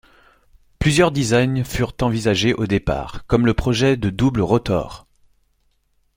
Plusieurs designs furent envisagés au départ, comme le projet de double rotor.